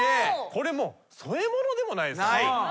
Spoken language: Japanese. これもう添え物でもないですからね。